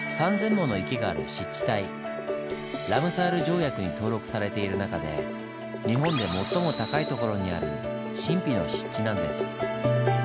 ラムサール条約に登録されている中で日本で最も高い所にある神秘の湿地なんです。